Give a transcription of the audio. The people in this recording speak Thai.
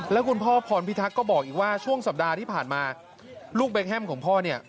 แล้วคุณพ่อพรพิทักษ์ก็บอกอีกว่าช่วงสัปดาห์ที่ผ่านมาลูกเบคแฮมของพ่อเนี่ย